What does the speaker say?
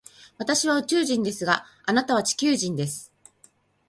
私は宇宙人ですが、あなたは地球人です。